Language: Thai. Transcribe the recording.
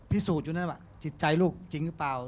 สูจนอยู่นั่นว่าจิตใจลูกจริงหรือเปล่า